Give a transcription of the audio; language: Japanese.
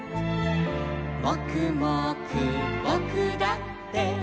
「もくもくぼくだって」